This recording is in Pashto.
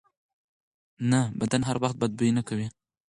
نه، بدن هر وخت بد بوی نه کوي.